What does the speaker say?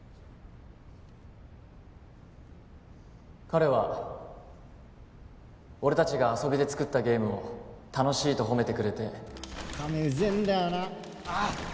彼は俺達が遊びで作ったゲームを楽しいと褒めてくれてうぜえんだよなあっ